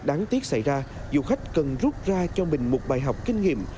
đáng tiếc xảy ra du khách cần rút ra cho mình một bài học kinh nghiệm